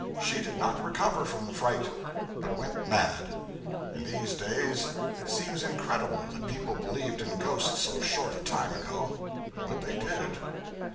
She did not recover from the fright, but went mad. In these days it seems incredible that people believed in ghosts so short a time ago. But they did.